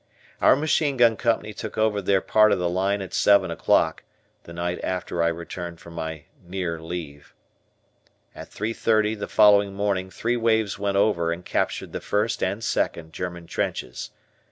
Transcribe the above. Our Machine Gun Company took over their part of the line at seven o'clock, the night after I returned from my near leave. At 3.30 the following morning three waves went over and captured the first and second German trenches.